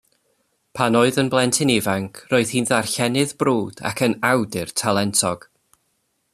Pan oedd yn blentyn ifanc, roedd hi'n ddarllenydd brwd, ac yn awdur talentog.